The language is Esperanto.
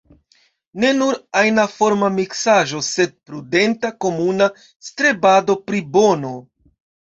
Ne nur ajna-forma miksaĵo, sed prudenta komuna strebado pri bono.